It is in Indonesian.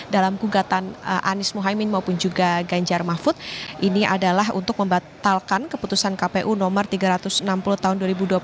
dalam gugatan anies mohaimin maupun juga ganjar mahfud ini adalah untuk membatalkan keputusan kpu nomor tiga ratus enam puluh tahun dua ribu dua puluh